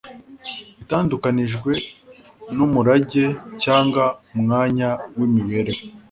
Itandukanijwe nu murage cyangwa umwanya wimibereho